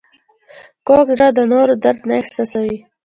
کوږ زړه د نورو درد نه احساسوي